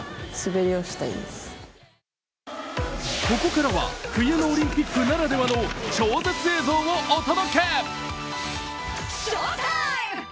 ここからは冬のオリンピックならではの超絶映像をお届け。